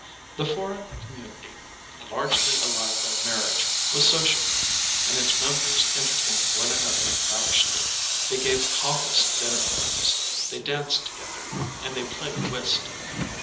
The foreign com munity, largely allied by marriage, was sociable, and its members entertained one another lavishly. They gave pompous dinner parties, they danced together, and they played whist.